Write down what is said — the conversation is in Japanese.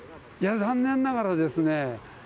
いや、残念ながらですね。